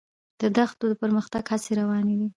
د دښتو د پرمختګ هڅې روانې دي.